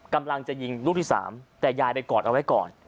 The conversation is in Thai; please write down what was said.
กำลังจะยิงลูกที่๓แต่ยายไปกอดเอาไว้ก่อน